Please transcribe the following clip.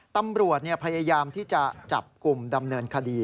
ตำรวจพยายามที่จะจับกลุ่มดำเนินคดี